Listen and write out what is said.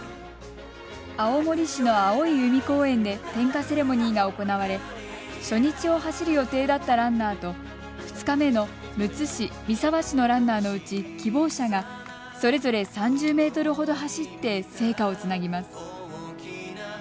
青森市の青い海公園で点火セレモニーが行われ初日を走る予定だったランナーと２日目のむつ市、三沢市のランナーのうち希望者がそれぞれ３０ｍほど走って聖火をつなぎます。